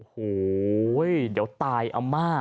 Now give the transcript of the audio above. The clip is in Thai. โอ้โหเดี๋ยวตายอาม่า